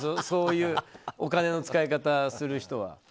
そういうお金の使い方をする人は。